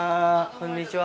こんにちは。